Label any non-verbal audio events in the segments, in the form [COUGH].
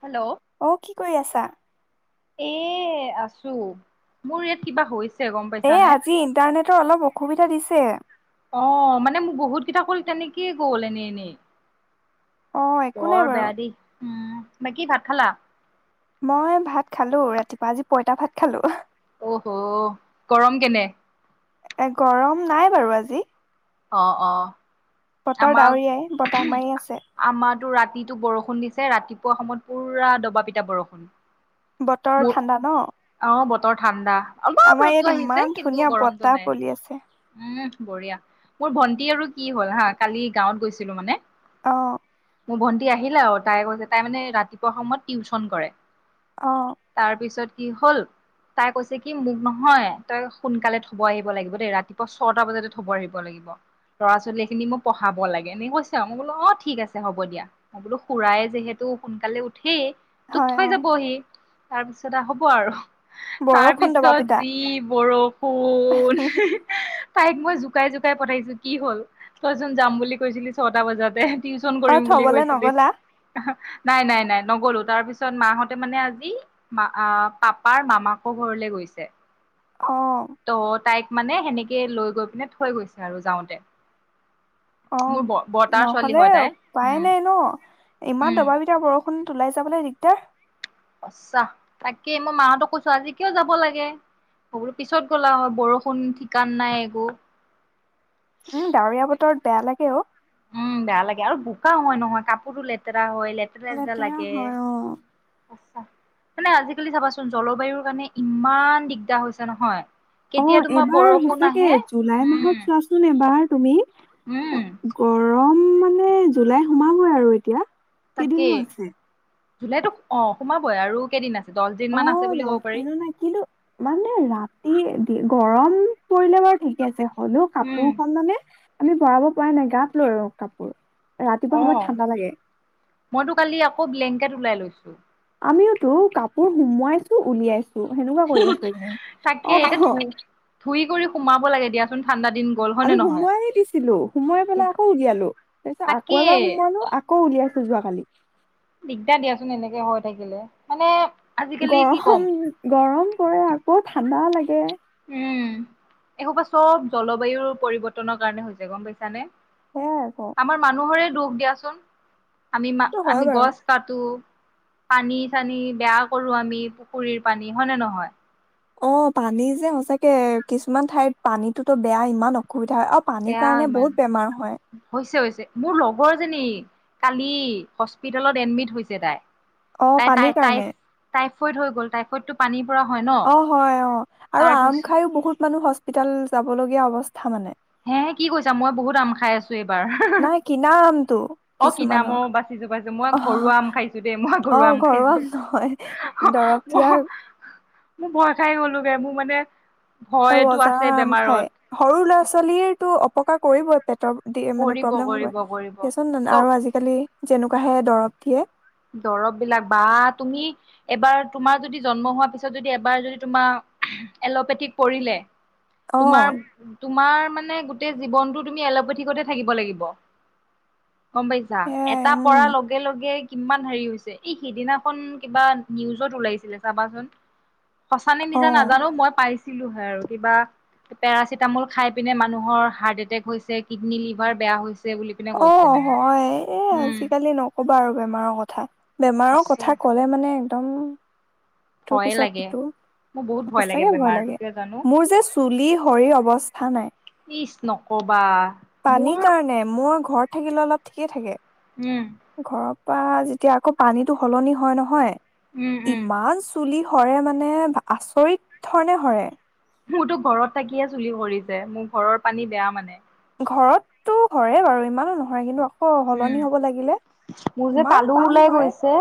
Hello অ' কি কৰি আছা? এ আছো মোৰ ইয়াত কিবা হৈছে। গম এ পাইছানে আজি ইণ্টাৰনেটৰ অলপ অসুবিধা দিছে। তে অ মানে মোক বহুত কেইটা ক'ল তেনে কি গ'ল এনেই এনেই অ একো নাই বৰ বাৰু। বেয়া দেই উম তোমি কি ভাত খালা মই ভাত খালো ৰাতিপুৱা আজি পইতা ভাত খালো ও অহ গৰম কেনে এ গৰম নাই বাৰু আজি অ অ বতৰ আমাক ডাৱৰীয়াই বতাহ মাৰি আছে জিটো বৰষুণ দিছে ৰাতিপুৱা সময়ত পুৰা দবা পিটা বৰষুণ বতৰ ঠাণ্ডা ন বৰ ঠাণ্ডা অলপ আমাৰ ইয়াত ৰ'দটো আহিছে ইমান কিন্তু ধুনীয়া গৰমতটো বতাহ নাই বলি আছে উম বঢ়িয়া মোৰ ভন্টি আৰু কি হ'ল হা কালি গাঁৱত গৈছিলো মানে অ মোৰ ভন্টি আহিলে আও তাই কৈছে তাই মানে ৰাতিপুৱা সময়ত টিউচন কৰে অ তাৰপিছত কি হ'ল তাই কৈছে কি মোক নহয় তই সোনকালে থব আহিব লাগিব দেই ৰাতিপুৱা ছটা বজাতে থব আহিব লাগিব ল'ৰা ছোৱালীখিনি মোক পঢ়াব লাগে এনে কৈছ আও মই বোলো অ ঠিক আছে হ'ব দিয়া মই বোলো খুৰাই যিহেতু সোনকালে উঠেই তোক হয় থৈ অ। যাবহি তাৰপিছতে হ'ব আৰু তাৰ বৰষুণ দবা পিছত পিটা যি বৰষুণ তাইক মই জু জুকাই জুকাই পঠাইছো কি হ'ল তইচোন যাম বুলি কৈছিলি ছটা বজাতে টিউন অ কৰিম বুলি থবলে কৈছিলি নগলা নাই নাই নাই নগলো তাৰপিছ পিছত মাহঁতে মানে আজি মা আ পাপাৰ মামাকৰ ঘৰলে গৈছে অ ত তাইক মানে সেনেকে লৈ গৈ পিনে থৈ গৈছে আৰু যাওঁতে মোৰ অ' ব বৰ্তাৰ ছোৱালী নহ'লে হয় তাই উপায় উম নাই ন ইমান উম দবাবিটা বৰ ষুণ ওলায় যাবলৈ দিগদাৰ সঁচা, তাকেই মই মাহঁতক কৈছোঁ, আজি কিয় যাব লাগে মই বোলোঁ পিছত গ'লা হয় বৰষুণ ঠিকান নাই একো উম, ডাৱৰীয়া বতৰত বেয়া লাগে অ' উম, বেয়া লাগে আৰু বোকা হয় নহয়, কাপোৰো লেতেৰা হয়। লেতেৰা লেতেৰা লেটেৰা লাগে হয় অ'। সঁচা, মানে আজিকালি চাবাচোন জলবায়ুৰ কাৰণে ইমান দিগদাৰ হৈছে নহয়। কেতিয়া অ' তোমাৰ এবাৰ বৰষুণ সঁচাকে আহে জুলাই মাহত উম চোৱাচোন এবাৰ তুমি উম। গৰম মানে জুলাই সোমাবই আৰু এতিয়া। তাকেই কেইদিননো আছে? জুলাইতো অ' সোমাবই আৰু কেইদিন আছে? দহ দিন মান আছে অহ' বুলি ক'ব পাৰি দহচদিনো নাই, কিন্তু মানে ৰাতি গৰম পৰিলে বাৰু ঠিকে আছে। হ'লেও উম কাপোৰ খন মানে আমি ভৰাব পৰা নাই, গাত লৈ আৰু কাপোৰ। ৰাতিপুৱা সময়ত অ' ঠাণ্ডা লাগে মইতো কালি আকৌ ব্লেংকেট ওলাই লৈছো। উ। আমিওতো কাপোৰ সুমোৱাইছো-উলিয়াইছো। তাকে এতিয়া অ ধু-ধুই কৰি সোমাব লাগে দিয়া। ঠণ্ডাত, আমি সোমোৱাইয়ে দিছিলোঁ, সোমোৱাই পেলাই আকৌ উলিয়ালো। তাৰপিছত আকৌ তাকেই এবাৰ সোমোৱালো, আকৌ উলিয়াইছো যোৱাকালি। দিগদাৰ দিয়াচোন এনেকে হৈ থাকিলে। মানে, আজিকালি কি ক'ম গৰম-গৰম পৰে, আকৌ ঠাণ্ডা লাগে। উম, এইসোপা চব জলবায়ুৰ পৰিৱৰ্তনৰ কাৰণে হৈছে, গম পাইছানে। সেয়াই আকৌ আমাৰ মানুহৰে তোক দিয়াচোন। আমি মা সেইটো হয় আমি বাৰু গছ কাটো। পানী-চানী বেয়া কৰো আমি, পুখুৰীৰ পানী। হয়নে নহয়? অ পানী যে সঁচাকে কিছুমান ঠাইত পানীতোতো বেয়া ইমান অক সুবিধা হয়, আৰু পানীৰ বেয়া কাৰণে ইমান বহুত বেমাৰ হয়। হৈছে হৈছে মোৰ লগৰ এজনী কালি হস্পিতেলত এডমিট হৈছে তাই। অ', পানীৰ কাৰণে? ফইড হৈ গ'ল, টাইফইডটো পানী অ', হয়, অ', আৰু আম খায়ো তাৰপিছত বহুত মানুহ হচ হস্পিতাল যাবলগীয়া অৱচ হে কি কৈছা, মই বহুত আম খাই আছোঁ এইবাৰ, নাই কিনা আমটো অ', কিনা আম‌ কিছুমানৰ অ', বাচিছোঁ, বাচিছোঁ মই অ ঘৰুৱা আম খাইছোঁ দেই, মই অ ঘৰুৱা আম খাইছোঁ। নহয় দৰৱ দিয়া মোৰ ভয় খাই গ'লোগে, মোৰ মানে ভয়তো অ' জাম আছে আম খাই, বেমাৰত সৰু ল'ৰা চলিয়েট। টো অপকাৰ কৰিব। মানে কৰিব প্ৰব্লেম কৰিব কৰিব হ'বোন, চব আৰু আজিকালি যেনেকুৱাহে দৰব দিয়ে। দৰব বিলাক, বা তুমি এবাৰ তোমাৰ যদি জন্ম হোৱাৰ পিছত যদি, এবাৰ যদি তোমাৰ এল'পেথিক পৰিলে। অ তোমাৰ তোমাৰ মানে গোটেই জীৱনতটো তুমি এল'পেথিকতে থাকিব লাগিব। গম পাইছা সেয়াই এটা পৰা উম লগে লগে কিমান হেৰি হৈছে এই সিদিনাখন কিবা নিউজত ওলাইছিলে চাবাচোন। সঁচানে মিছা, নাজানো অ মই পাইছো। কিবা, পেৰাচিটামল খাই পিনে মানুহৰ হাৰ্ট এটেক হৈছে কিডনী লিভাৰ বেয়া হৈছে। বুলি পিনে কৈছে অ' মানে। হয় এই উম আজিকালি নকবা আৰু বেমাৰৰ কথা থা। বেমাৰৰ সঁচা কথা ক'লে মানে দম তোৰ ভয়ে পিছত লাগে। সিটো, মোৰ বহুত লাগে সচাকে ভয় বেমাৰটো লাগে, কিয় জানো মোৰ যে চুলি সৰি অৱস্থা নাই। ক'বা পানীৰ কাৰণে মোৰ ঘৰত থাকিলে অলপ ঠিকেই থাকে। উম। বা যেতিয়া আকৌ পানীতো সলনি হয় নহয় উম উম ইমান চুলি সৰে মানে আচৰিত ধৰণে সৰে মোৰতো ঘৰত থাকিয়ে চুলি সৰিছে, মোৰ ঘৰৰ পানী বেয়া মানে ঘৰততো সৰে বাৰু, ইমানো নসৰে কিন্তু অ, উম সলনি হব লাগিলে মোৰ যে ইমান তালু পানী ওলাই পৰে, গৈছে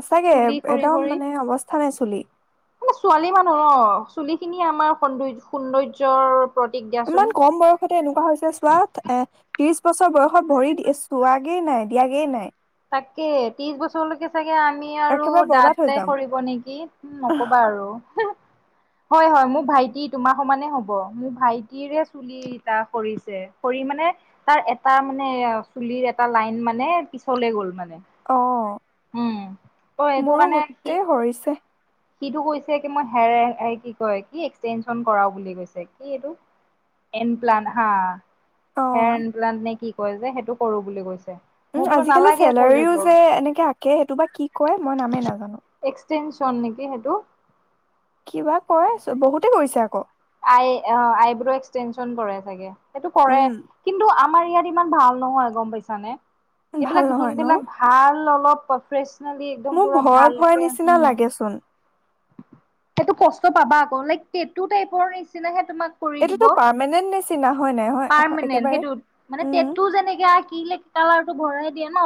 সচাকে, চুলি একদম মানে অৱস্থা নাই [INAUDIBLE] আমি ছোৱালী মানুহ ন, চুলি খিনিয়ে আমাৰ সৌন্দ সৌন্দৰ্যৰ প্ৰতীক দিয়াচোন। ইমান কম বয়সতে এনেকুৱা হৈছে চোৱা, এ ত্ৰিশ বছৰ বয়সত ভৰি চোৱাগে নাই, দিয়াগে নাই তাকে, ত্ৰিশ বছৰলৈকে চাগে আমি আৰু একেবাৰে বৰবাদ হৈ দাতে যাম সৰিব নেকি নকবা আৰু। হয়, হয়, মোৰ ভাইটি, তোমাৰ সমানে হ'ব। মোৰ ভাইটিৰে চুলি টা সৰিছে। সৰি মানে, তাৰ এটা মানে চুলিৰ এটা লাইন মানে [UNINTELLIGIBLE] গ'ল মান অ' উম অ এইটো মোৰো কাৰণে সি গোটেই [INAUDIBLE] সি এইটো কৈছে কি মই হে কি কয় কি এক্সটেনচন কৰাও বুলি কৈছে, কি এইটো? এন প্লান হা। অ হেয়াৰ এনপ্লান নে কি? কয় যে সেইটো কৰো বুলি কৈছে। উম মই বোলো আজিকালি নালাগে কৰিব চেলাৰীও যে এনেকে আঁকে সেইটো বা কি কয় মই নামেই নাজানো। চেনশ্যন নে কি সেটো কিবা কয় বহুতে কৰিছে আক। আই অ আইব্ৰ এক্সটেনচন কৰাই চাগে। সেইটো কৰে উম কিন্তু আমাৰ ইয়াত ইমান ভাল নহয়, গম পাইছানে? ভাল এইবিলাক নহয় ন যোনবিলাক ভাল অলপ ফ্ৰেছ মোৰ ভয় ভয় নিচিনা লাগেচোন সেইটো কষ্ট পাবা আকৌ লাইক টেটু টাইপৰ নিচিনা হে তোমাৰ কৰি দিব এইটোতো পাৰ্মানেন্ট নিচিনা হয় নাই হয় পাৰ্মানেণ্ট একেবাৰে সেইটো মানে উম টেটো যেনেকে আঁকিলে ক্লাৰ টো ভৰাই দিয়ে ন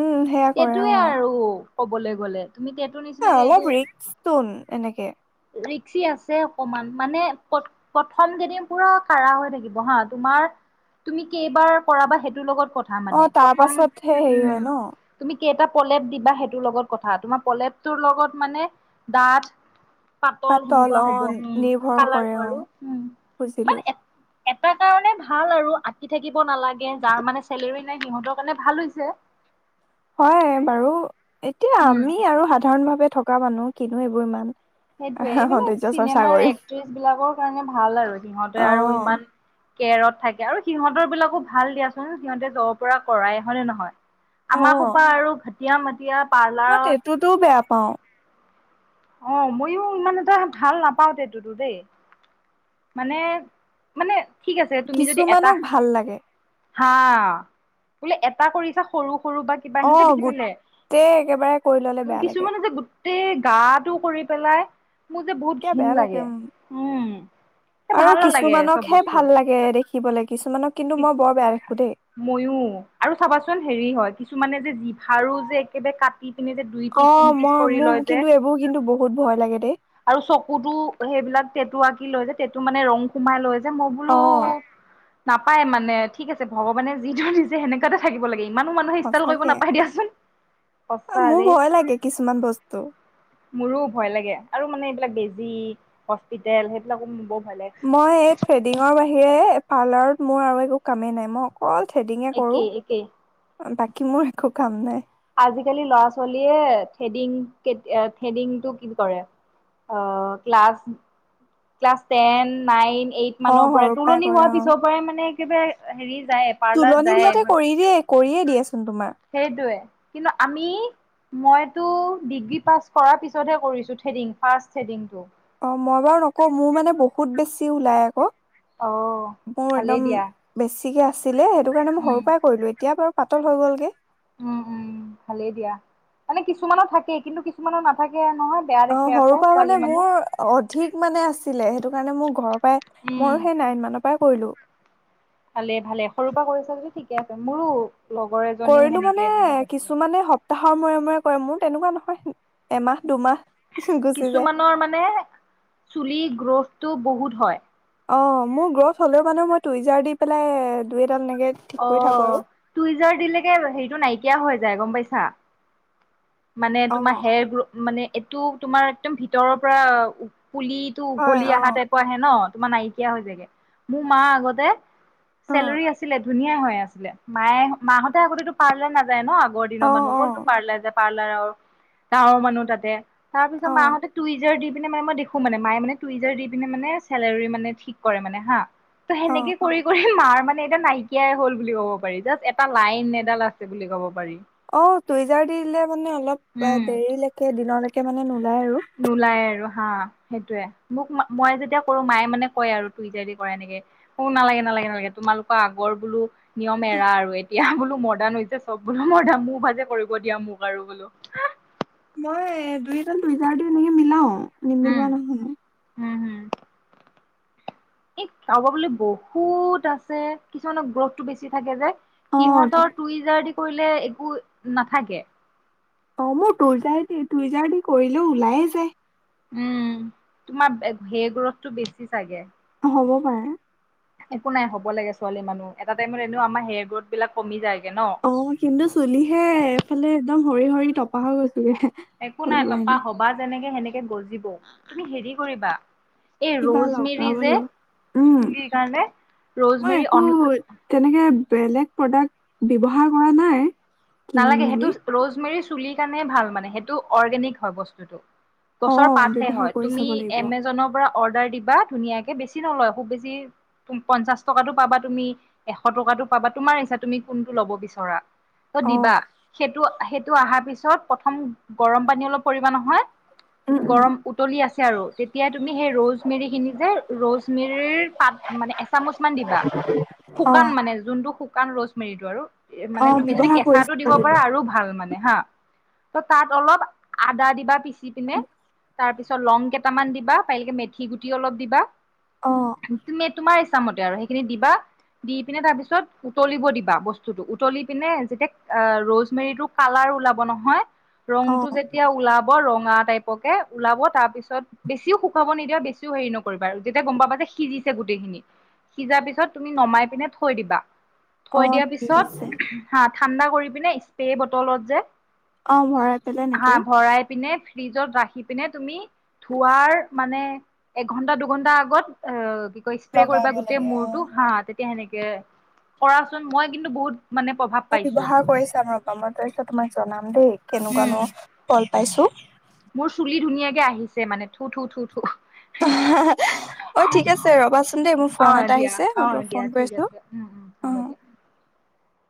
উম সেয়া কৰে টেটোৱে অ আৰু ক'বলে গ'লে তুমি টেটু নিচিনাকে অলপ এইটো ৰিস্ক চোন এনেকে ৰিক্সি আছে অকমান মানে প্ৰথম কেইদিন পুৰা কাঢ়া হৈ থাকিব হা তোমাৰ তুমি কেইবাৰ কৰাবা সেইটোৰ লগত কথা অ মানে তাৰ প্ৰথম পাছতহে হেৰি উম হয় ন তুমি কেইটা প্ৰলেপ দিবা সেইটোৰ লগত কথা তোমাৰ প্ৰলেপটোৰ লগত মানে ডাঠ পাতল সেনেকুৱা হ'ব উম নিৰ্ভৰ কৰে কালাৰটো অ আৰু বুজিলো মানে এটা কাৰণে ভাল আৰু আঁকি থাকিব নালাগে যাৰ মানে চেলেৰী নাই সিহঁতৰ কাৰণে ভাল হৈছে হয় বাৰু এতিয়া উম আমি আৰু সাধাৰণ ভাৱে থকা মানুহ কিনো এইবোৰ ইমান সেইটোৱে এইবিলাক সৌন্দৰ্য চৰ্চা চিনেমাৰ কৰিম এক্ট্ৰেছবিলাকৰ কাৰণে ভাল আৰু সিহঁতে অ আৰু ইমান কেৰত থাকে আৰু সিহঁতৰবিলাকো ভাল দিয়াচোন সিহঁতে জৰ পৰা কৰাই হয়নে নহয়? অ আমাৰ সোপা আৰু ইয়া মাত মই তেতোটো বেয়া পাওঁ। অ' ময়ো ইমান এটা ভাল নাপাও তেতোটো দেই মানে, মানে ঠিক আছে তুমি যদি এটা কিছুমানক ভাল লাগে। হা বোলে এটা কৰিছা সৰু সৰু বা কিবা সেনেকে অ' দেখি পেলে গোটেই একেবাৰে কৰি ল'লে বেয়া লাগে। টেই গাত টো কৰি পেলাই মোৰ যে বহুত এতিয়া ঘৃণ বেয়া লাগে উম উম, এ ভাল নালাগে এচব বস্তু। খিবলে। কিহ, ময়ো আৰু চাবাচোন হেৰি হয় কিছুমানে যে জিভাৰো যে একেবাৰে কাট অ' মই-মোৰ কিন্তু এইবোৰ কিন্তু বহুত ভয় লাগে। দেই আৰু চকুতো সেইবিলাক টেটু আঁকি লৈ যে, টেটু মানে ৰং সোমাই লৈ যে মই বোলো অ নাপায় মানে, ঠিক আছে ভগৱানে যি দৰে দিছে সেনেকুৱাতে থাকিব লাগিব ই ইমানো মানুহে ইষ্টাল কৰিব সঁচাকে। নাপাই দিয়াচোন। সঁচা মোৰ ৰে, ভয় লাগে কিছুমান বস্তু। মোৰো ভয় লাগে। মানে এইবিলাক বেজি, হস্পিতেল হেবিলাক মো বৰ ভয় লাগে মই এই থ্ৰেডিঙৰ বাহিৰে এ পাৰ্লাৰত মোৰ আৰু একো কামেই নাই মই কল থ্ৰেডিঙে কৰো একেই একেই বা কি মোৰ একো কাম নাই। আজিকালি ল'ৰা-ছোৱালীয়ে থ্ৰেডিং-কেত-এ-থেডিংটো কি কৰে, আ class class ten, nine eight অ মানৰ পৰাই, সৰুৰ তুলনি কৰে হোৱা অ। পিছৰ পৰাই মানে একেবাৰে আ হেৰী তুলনি বিয়াতে কৰি দিয়ে, কৰিয়ে দিয়াচোন তোমাৰ। সেইটোৱে কিন্তু আমি, মইতো ডিগ্ৰী পাছ কৰাৰ পিছতহে কৰিছো থ্ৰেডিং, ফাৰ্ষ্ট থ্ৰেডিংটো। অ', মই বাৰু নকওঁ মোৰ মানে বহুত বেছি ওলায় আকৌ। অ', ভালেই দিয়া। ঠিকে আছ দিলে হেটো কাৰণে মই সৰু পাই কৰিলো, এতিয়া বাৰু পাতল হৈ গ'ল গে। উ, উ ভালে দিয়া, মানে কিছুমানৰ থাকে কিন্তু কিছুমানৰ নাথাকে আ অ' সৰু পৱা মানে মোৰ অধিক মানে আছ ছিলে, হেটো কাৰণে মোক ঘৰ পায়, উম ময়ো সেই নাইন মানৰ পাই কৰিলোঁ। ভালে, ভালে সৰুৰ পৰা কৰিছা যদি ঠিকে আছে। মোৰো লগৰ এজনীও কৰিলোঁ মানে সেনেকে বহুত আছে কিছুমানে সপ্তাহ ৰ মূৰে, মূৰে কৰে মোৰ তেনেকুৱা নহয়, এমাহ, দুমাহ গুচি যায় কিছুমানৰ মানে চুলি গ্ৰথটো বহুত। হয়। অ মোৰ গ্ৰথ হলেও মানে মই টুইজাৰ দি পেলাই এডাল এনেকে ঠিক কৰি থাকো আৰু অ', তুইজাৰ দিলেকে হেৰিটো নাইকিয়া হয়। যায় গম পাইছা। মানে তোমাৰ অ হেয়াৰ গ্ৰথ মানে এইটো তোমাৰ একদম ভিতৰৰ পৰা পুলিটো হয় উঘলি অ অহা টাইপৰ আহে ন। তোমাৰ নাইকিয়া হৈ যায়গে, মোৰ মা আগতে অ চেলেৰি আছিলে ধুনীয়া হৈ আছিলে মায়ে মাহতে আগতেতো পাৰ্লাৰ নাযা যায় ন আগৰ দিনৰ অ মানুহ অ কতনো পাৰ্লাৰ যাব। পাৰ্লাৰৰ গাৱৰ মানুহ তাতে। তাৰ পিছত অ মাহঁতে টুইজাৰ দি মানে মই দেখো মানে মায়ে মানে টুইজাৰ দি পিনে মানে চেলেউৰী মানে ঠিক কৰে মানে হা ত অ সেনেকে কৰি কৰি মাৰ মানে এতিয়া নাই কিয়াই হল বুলি ক'ব পাৰি জাষ্ট এটা লাইন এডাল আছে বুলি ক'ব পাৰি। অ' টুইজাৰ দিলে মানে অলপ উম দেৰিলেকে দিনলৈকে মানে নোলায় আৰু নোলায় আৰু। হা সেইটোয়ে, মোক মই যেতিয়া কৰো মায়ে মানে কয় আৰু তই যদি কৰা এনেকে নালাগে নালাগে নালাগে তোমালোকৰ আগৰ বোলো নিয়ম এৰা আৰু এতিয়া বোলো মডাৰ্ণ হৈছে চব বোলো, মডাৰণ মোৰ ভাজে কৰিব দিয়া মোক আৰু বোলো। মই দুই এজন দুইটাৰটো এনেকে মিলাও। উম নিমিলোৱা নহয়ে। উম হম এই কাৰাবাবোলে বহুত আছে, কিছুমানৰ গ্ৰথ টো বেছি থাকে যে অ সিহঁতৰ তুইযাৰ দি। কৰিলে একো নাথাকে। অ' মোৰ তোইযাৰ দি তোইজাৰ দি কৰিলেও ওলাইে যায়। উম তোমাৰ হেই গ্ৰথতটো বেছি চাগে। হ'ব পাৰে। একো নাই হব লাগে, ছোৱালী মানুহ এটা টাইমত এনেও আমাৰ হেয়াৰ গ্ৰথ বিলাক কমি যায়। অ' কিন্তু চুলিহে এফালে একদম। সৰি সৰি টপা হৈ গৈছো। একো নাই তপা হবা যেনেকে সেনেকে। গজিব তুমি হেৰি কৰিবা। এই কিবা লগ ৰ'জমেৰি পাব যে লাগিব উম চুলিৰ কাৰণে মই ৰ'জমেৰি একো অন তেনেকে বেলেগ প্ৰডাক্ট ব্যৱহাৰ কৰা নাই কিনি নালাগে মেলি সেইটোজ ৰোজমেৰি চুলিৰ কাৰণে ভাল মানে সেইটো অৰ্গেনিক হয় বস্তুটো অ গছৰ পাতহে ব্যৱহাৰ হয় কৰি তুমি চাব লাগিব এমেজনৰ পৰা অৰ্ডাৰ দিবা ধুনীয়াকে বেছি নলয় খুব বেছি পঞ্চাশ টকাটো পাবা তুমি এশ টকাতো পাবা তোমাৰ ইচ্ছা তুমি কোনটো ল'ব বিচৰা অ দিবা সেইটো সেইটো অহাৰ পিছত প্ৰথম গৰম পানী অলপ কৰিবা নহয় উম উম গৰম উতলি আছে আৰু তেতিয়া তুমি সেই ৰোজমিৰি খিনি যে ৰোজমিৰিৰ পাত মানে এচামুচমান দিবা অ শুকান মানে যোনটো শুক কান ৰোজমেৰিটো আৰু অ মানে তুমি যদি ব্যৱহাৰ কৰিছো কেঁচাটো দিব পাৰা আৰু ভাল মানে হা ত তাত অলপ আদা দিবা পিচি পিনে তাৰপিছত লং কেইটামান দিবা পাৰিলেকে মেথি গুটি অলপ দিবা অ তুমি তোমাৰ হিচামতে আৰু সেইখিনি দিবা দি পিনে তাৰপিছত উতলিব দিবা বস্তুটো উতলি পিনে যেতিয়া অ ৰোজমেৰিটো কালাৰ ওলাব নহয় অ ৰংটো যেতিয়া ওলাব ৰঙা টাইপ পকে, ওলাব তাৰ পিছত বেছিও শুকাব নিদিয়া, বেছিও হেৰি নকৰিবা আৰু। যেতিয়া গম পাবা যে সিজিছে গোটেইখিনি সিজা পিছত তুমি নমাই পিনে থৈ দিবা। অ থৈ দিয়াৰ ঠিক পিছত আছে হাত ঠাণ্ডা কৰি পিনে স্প্ৰে বটলত যে, অ ভৰাই পেলাই হা এনেকে ভৰাই পিনে ফ্ৰিজত ৰাখি পিনে তুমি ধোৱাৰ মানে এঘন্টা-দুঘন্টা আগত অ' স্প্ৰে কৰিবা লগাব গোটেই লাগে অ। মূৰটো। হা, তেতিয়া সেনেকে কৰাচোন মই কিন্তু বহুত মানে মই পাইছো ব্যৱহাৰ কৰিচাম ৰবা! মই তাৰপিছত তোমাক জনাম দেই। কেনেকুৱা উম ন'? [UNINTELLIGIBLE] পাইছোঁ। মোৰ চুলি ধুনীয়াকে আহিছে মানে, থু থু থু থু। অ' ঠিক আছে ৰবাচোন দেই মোৰ অ ফোন এটা দিয়া আহিছে। অ মই তোমাক দিয়া ফোন কৰি ঠিক আছোঁ, আছে উম উম হ'ব অ'। দিয়া